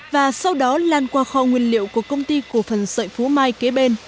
và sau đó lan qua kho nguyên liệu của công ty cổ phần sợi phú mai kế bên